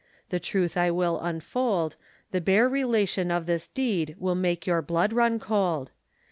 The truth I will unfold, The bare relation of this deed Will make your blood run cold.